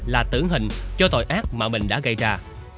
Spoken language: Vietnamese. là tử hình cho tội ác mà mình đã gây ra